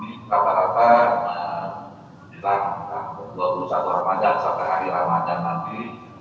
di kata kata dua puluh satu ramadan sampai hari ramadan nanti